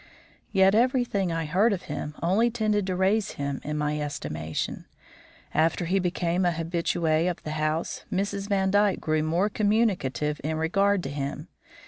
Yet everything I heard of him only tended to raise him in my estimation. After he became an habitué of the house, Mrs. Vandyke grew more communicative in regard to him.